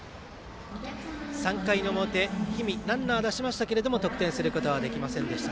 ３回の表、氷見ランナーを出しましたけども得点することはできませんでした。